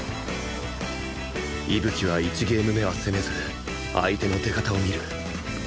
伊吹は１ゲーム目は攻めず相手の出方を見る